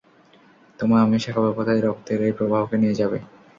তোমায় আমি শেখাব কোথায় রক্তের এই প্রবাহকে নিয়ে যাবে।